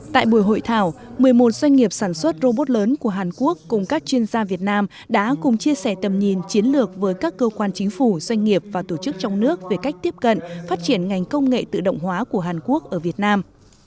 tại buổi hội thảo một mươi một doanh nghiệp sản xuất robot lớn của hàn quốc cùng các chuyên gia việt nam đã cùng chia sẻ tầm nhìn chiến lược với các cơ quan chính phủ doanh nghiệp và tổ chức trong nước về cách tiếp cận phát triển ngành công nghệ tự động hóa của hàn quốc ở việt nam